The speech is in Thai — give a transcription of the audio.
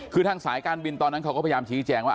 คือทางสายการบินตอนนั้นเขาก็พยายามชี้แจงว่า